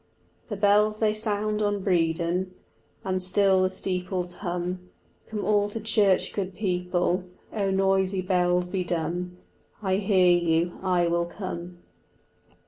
The bells they sound on Bredon, And still the steeples hum. "Come all to church, good people," Oh, noisy bells, be dumb; I hear you, I will come.